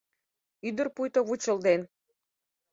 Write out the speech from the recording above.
Ӱдыр пуйто вучылден